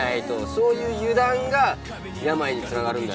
そういう油断が病に繋がるんだよ。